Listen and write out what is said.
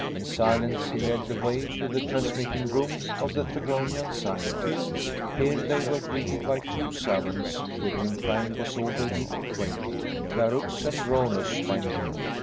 In silence he led the way to the transmitting room of the Theronian scientists. Here they were greeted by two savants with whom Frank was already acquainted, Clarux and Rhonus by name.